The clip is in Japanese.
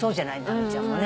直美ちゃんもね。